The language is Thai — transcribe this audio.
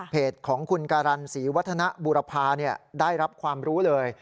ของคุณการันศรีวัฒนบุรพาได้รับความรู้เลย